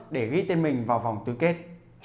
để ghi tên mình vào vòng tư kết